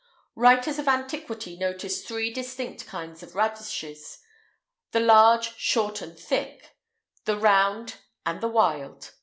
[IX 166] Writers of antiquity notice three distinct kinds of radishes: the large, short, and thick; the round; and the wild.